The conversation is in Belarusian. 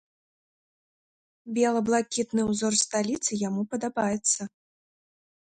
Бела-блакітны ўзор сталіцы яму падабаецца.